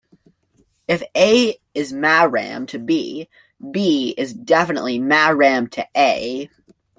If "A" is "mahram" to "B", "B" is definitely "mahram" to "A".